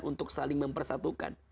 untuk saling mempersatukan